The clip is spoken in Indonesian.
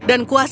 para kuda juga